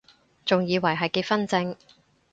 仲以為係結婚証